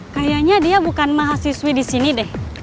kayaknya dia bukan mahasiswi di sini deh